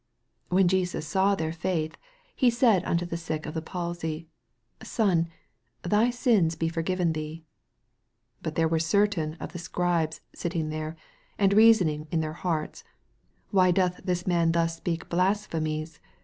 5 When Jesus saw their faith, he said unto the sick of the palsy, Son, thy sins be forgiven thee. 6 But there were certain of the Scribes sitting there, and reasoning in their hearts, 7 Why doth this man thus speak blasphemies?